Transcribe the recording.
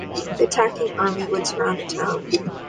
The attacking army would surround a town.